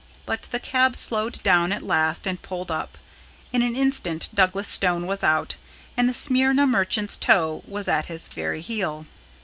But the cab slowed down at last and pulled up. In an instant Douglas Stone was out, and the Smyrna merchant's toe was at his very heel.